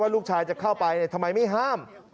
ลูกชายจะเข้าไปทำไมไม่ห้าม